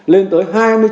lên tới hai mươi chín